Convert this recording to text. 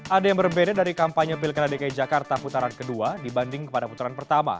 ada yang berbeda dari kampanye pilkada dki jakarta putaran kedua dibanding kepada putaran pertama